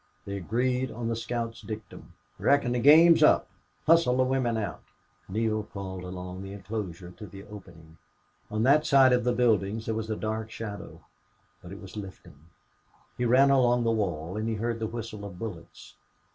They agreed on the scout's dictum: "Reckon the game's up. Hustle the women out." Neale crawled along the inclosure to the opening. On that side of the buildings there was dark shadow. But it was lifting. He ran along the wall, and he heard the whistle of bullets.